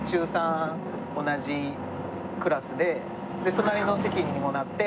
隣の席にもなって。